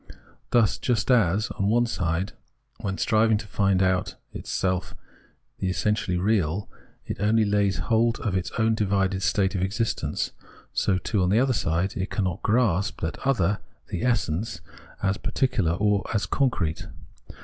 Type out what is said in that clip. Thus, just as, on one side, when striving to find itself in the essentially real, it only lays hold of its own divided state of existence, so, too, on the other side, it cannot grasp that other [the essence] as particular or as concrete.